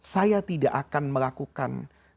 saya tidak akan melakukan